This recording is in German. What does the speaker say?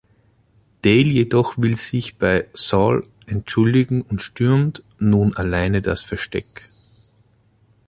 Dale jedoch will sich bei Saul entschuldigen und stürmt nun alleine das Versteck.